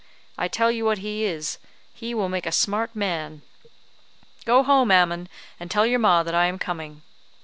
I tell you what it is he will make a smart man. Go home, Ammon, and tell your ma that I am coming."